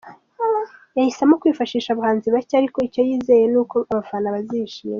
Yahisemo kwifashisha abahanzi bake, ariko icyo yizeye ni uko abafana bazishima.